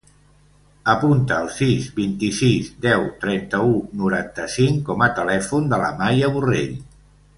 Apunta el sis, vint-i-sis, deu, trenta-u, noranta-cinc com a telèfon de la Maya Borrell.